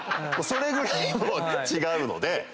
それぐらい違うので。